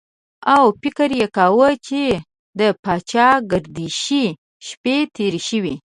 او فکر یې کاوه چې د پاچاګردشۍ شپې تېرې شوې.